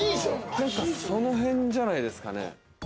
その辺じゃないですかね。